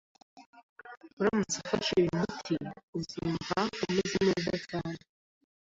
Uramutse ufashe uyu muti, uzumva umeze neza cyane